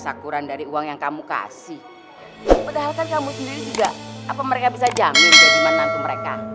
syakuran dari uang yang kamu kasih padahal kamu sendiri juga apa mereka bisa jamu nanti mereka